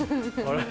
あれ？